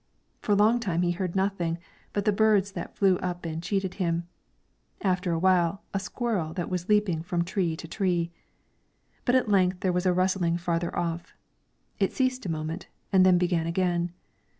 For a long time he heard nothing but the birds that flew up and cheated him, after a while a squirrel that was leaping from tree to tree. But at length there was a rustling farther off; it ceased a moment, and then began again.